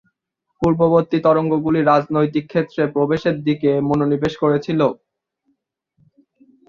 পূর্ববর্তী তরঙ্গগুলি রাজনৈতিক ক্ষেত্রে প্রবেশের দিকে মনোনিবেশ করেছিল।